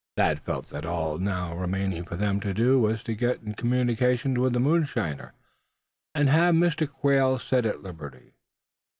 Thad felt that all now remaining for them to do was to get in communication with the moonshiner, and have Mr. Quail set at liberty.